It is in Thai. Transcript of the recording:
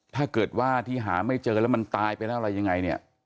ถ้าเกิดว่าที่หาไม่เจอแล้วมันตายไปแล้วอะไรยังไงเนี่ย